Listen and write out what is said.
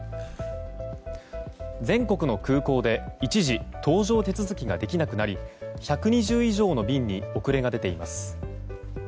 全国の空港で一時搭乗手続きができなくなり１２０以上の便に遅れが出ています。